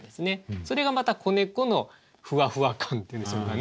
それがまた子猫のふわふわ感っていうんでしょうかね